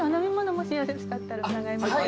もしよろしかったら伺います。